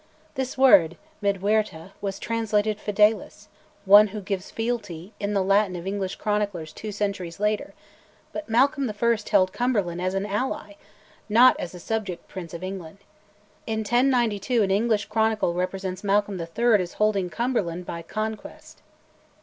This word (midwyrhta) was translated fidelis (one who gives fealty) in the Latin of English chroniclers two centuries later, but Malcolm I. held Cumberland as an ally, not as a subject prince of England. In 1092 an English chronicle represents Malcolm III. as holding Cumberland "by conquest."